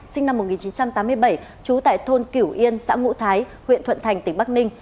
sinh năm một nghìn chín trăm tám mươi bảy trú tại thôn kiểu yên xã ngũ thái huyện thuận thành tỉnh bắc ninh